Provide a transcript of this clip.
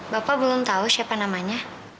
bapak belum tahu siapa namanya